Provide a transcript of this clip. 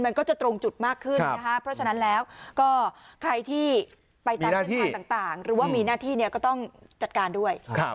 มันก็จะตรงจุดมากขึ้นนะคะเพราะฉะนั้นแล้วก็ใครที่ไปตามเส้นทางต่างหรือว่ามีหน้าที่เนี่ยก็ต้องจัดการด้วย